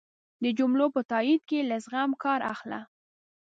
د جملو په تایېد کی له زغم کار اخله